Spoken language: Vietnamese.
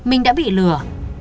mình đã bị lừa